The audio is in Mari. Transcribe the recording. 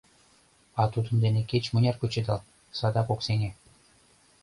А тудын дене кеч-мыняр кучедал — садак от сеҥе.